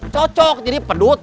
cocok jadi pedut